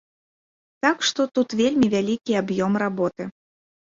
Так што, тут вельмі вялікі аб'ём работы.